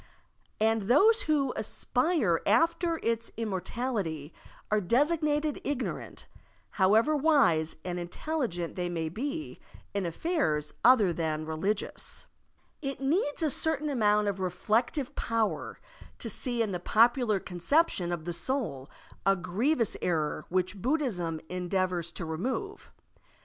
And those who aspire after its immortality are designated ignorant, however wise and intelligent they may be in affairs other than religious. It needs a certain amoimt of reflective power to see in the popular conception of the soul a grievous error which Buddhism endeavors to Digitized by Google IMMORTALITY $$ remove.